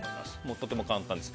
とても簡単です。